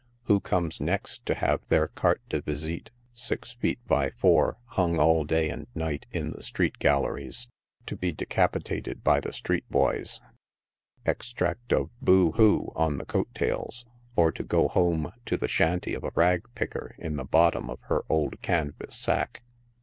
Who comes next to have their carte de visite, six feet by four, hung all day and night in the street galleries to be decapitated by the street boys — Extract of Boo ! Hoo ! on the coat tails or to go home to the shanty of a rag picker in the bottom of her old canvas sack